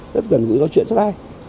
rất gần gũi nói chuyện rất hay